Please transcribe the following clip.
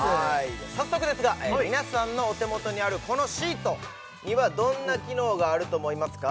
早速ですが皆さんのお手元にあるこのシートにはどんな機能があると思いますか？